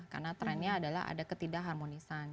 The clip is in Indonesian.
karena trennya adalah ada ketidak harmonisan